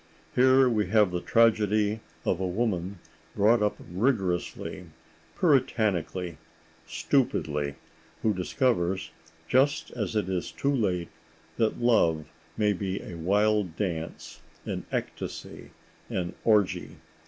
Here we have the tragedy of a woman brought up rigorously, puritanically, stupidly, who discovers, just as it is too late, that love may be a wild dance, an ecstasy, an orgy.